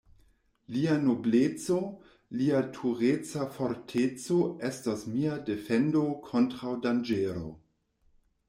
Lia nobleco, lia tureca forteco estos mia defendo kontraŭ danĝero.